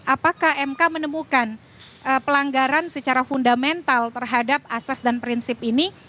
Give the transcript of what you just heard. apakah mk menemukan pelanggaran secara fundamental terhadap asas dan prinsip ini